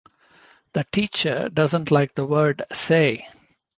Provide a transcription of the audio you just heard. the teacher doesn't like the word 'say'